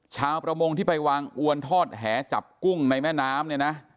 ชาวประมงที่ไปวางอวนทอดแหจับกุ้งในแม่น้ำเนี่ยนะ